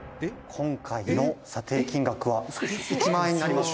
「今回の査定金額は１万円になります」